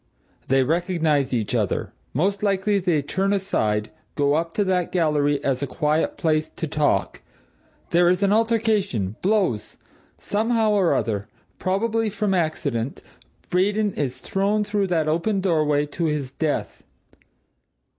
They recognize each other most likely they turn aside, go up to that gallery as a quiet place, to talk there is an altercation blows somehow or other, probably from accident, Braden is thrown through that open doorway, to his death.